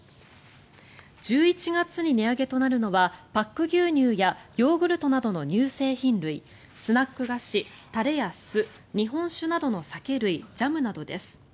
１１月に値上げとなるのはパック牛乳やヨーグルトなどの乳製品類スナック菓子、タレや酢日本酒などの酒類ジャムなどです。